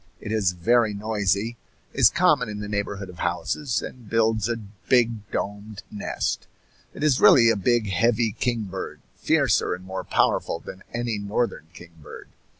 It is very noisy, is common in the neighborhood of houses, and builds a big domed nest. It is really a big, heavy kingbird, fiercer and more powerful than any northern kingbird.